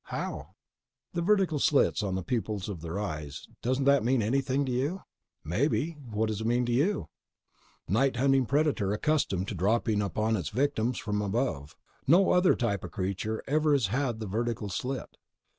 "How?" "The vertical slit pupils of their eyes. Doesn't that mean anything to you?" "Maybe. What's it mean to you?" "Night hunting predator accustomed to dropping upon its victims from above. No other type of creature ever has had the vertical slit.